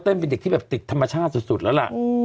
เป็นเด็กที่แบบติดธรรมชาติสุดแล้วล่ะ